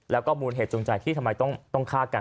แล้วก็มูลเหตุจูงใจที่ทำไมต้องฆ่ากัน